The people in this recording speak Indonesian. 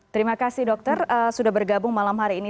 terima kasih dokter sudah bergabung malam hari ini